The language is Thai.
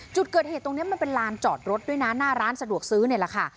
จุดเกิดเหตุตรงนี้มันเป็นลานจอดรถด้วยนะหน้าร้านสะดวกซื้อนี่แหละค่ะ